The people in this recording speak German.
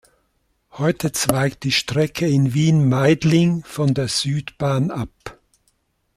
Heute zweigt die Strecke in Wien Meidling von der Südbahn ab.